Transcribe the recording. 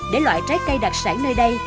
để loại trái cây đặc sản nơi đây